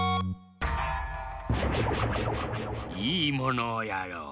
いいものをやろう。